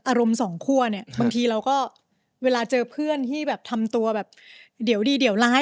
อารมณ์สองคั่วบางทีเราก็เวลาเจอเพื่อนที่ทำตัวเดี๋ยวดีเดี๋ยวร้าย